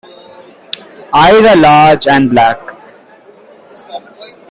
Eyes are large and black.